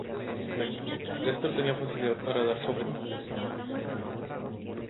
Edison decía al respecto: "Lester tenía facilidad para dar sobrenombres.